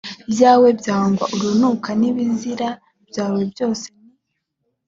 byawe byangwa urunuka n ibizira byawe byose ni